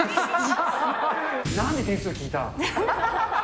なんで点数聞いた！